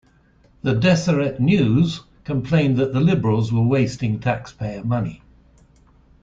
The "Deseret News" complained that the Liberals were wasting taxpayer money.